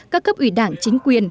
các cấp ủy đảng chính quyền